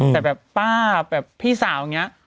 แต่แบบป้าแบบพี่สาวอย่างนี้